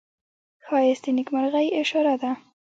ښایست د نیکمرغۍ اشاره ده